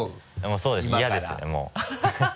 そうですね嫌ですねもう。